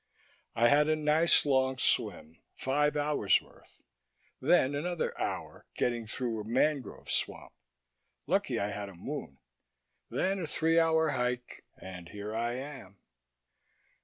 "I had a nice long swim: five hours' worth. Then another hour getting through a mangrove swamp. Lucky I had a moon. Then a three hour hike ... and here I am."